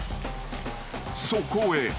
［そこへ］